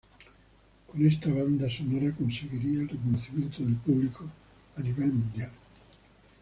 Con esta banda sonora conseguiría el reconocimiento del público a nivel mundial.